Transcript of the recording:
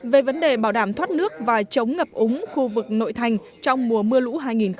về vấn đề bảo đảm thoát nước và chống ngập úng khu vực nội thành trong mùa mưa lũ hai nghìn hai mươi